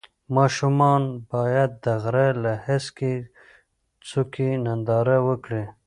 ماشومان باید د غره له هسکې څوکې ننداره وکړي.